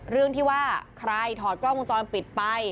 เรื่องที่ว่าใครถอดกล้องวงจรปิดไป